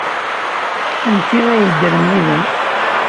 Anti ay yeddren yid-m?